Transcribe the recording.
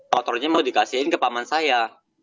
kotornya mau dikasihin ke paman saya